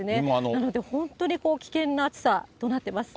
なので本当に危険な暑さとなってます。